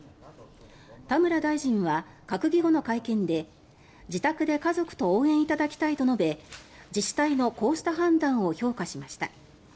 田村大臣は閣議後の会見で自宅で家族と応援いただきたいと述べ自治体のこうした判断を評価しました。